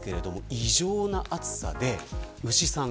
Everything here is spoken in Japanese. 異常な暑さで牛さん